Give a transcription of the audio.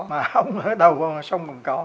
mà ông ở đầu sông vòng cỏ